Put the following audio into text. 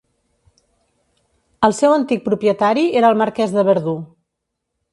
El seu antic propietari era el marquès de Verdú.